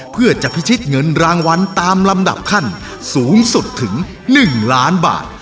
เพื่อจะพิชิตเงินรางวัลตามลำดับขั้นสูงสุดถึง๑ล้านบาท